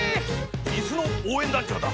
イスのおうえんだんちょうだ！